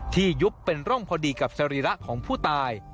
ยุบเป็นร่องพอดีกับสรีระของผู้ตาย